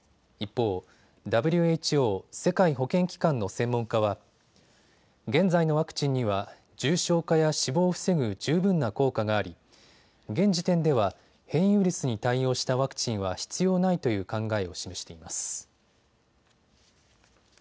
一方ＷＨＯ・世界保健機関の専門家は現在のワクチンには重症化や死亡を防ぐ十分な効果があり現時点では変異ウイルスに対応したワクチンは必要ないという考えを示しています。